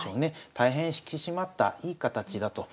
大変引き締まったいい形だと。